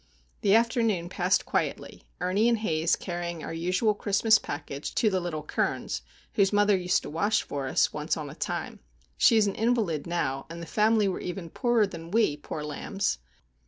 The afternoon passed quietly, Ernie and Haze carrying our usual Christmas package to the little Kerns, whose mother used to wash for us, once on a time. She is an invalid, now, and the family are even poorer than we, poor lambs!